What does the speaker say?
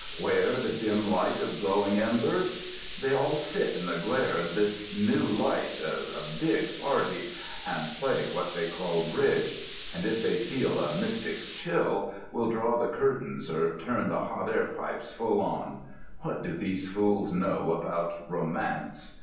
Where the dim light of glowing embers? They'll sit in the glare of this new light—a big party—and play what they call Bridge; and if they feel a mystic chill, will draw the curtains or turn the hot air pipes full on.... What do these fools know about Romance?